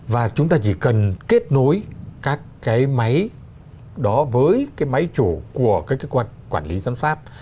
và chúng ta chỉ cần kết nối các cái máy đó với cái máy chủ của các cơ quan quản lý giám sát